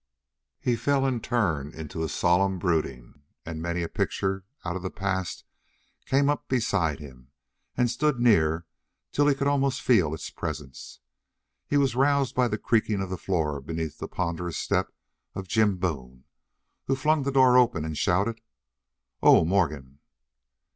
He fell in turn into a solemn brooding, and many a picture out of the past came up beside him and stood near till he could almost feel its presence. He was roused by the creaking of the floor beneath the ponderous step of Jim Boone, who flung the door open and shouted: "Oh, Morgan."